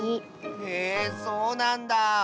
へえそうなんだ。